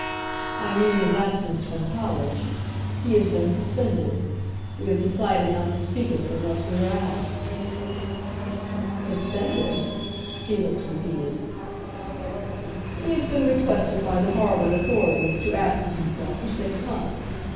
"I mean his absence from college. He has been suspended. We have decided not to speak of it unless we are asked." "Suspended?" Felix repeated. "He has been requested by the Harvard authorities to absent himself for six months.